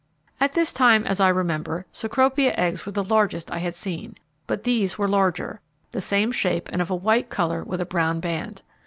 At this time, as I remember, Cecropia eggs were the largest I had seen, but these were larger; the same shape and of a white colour with a brown band.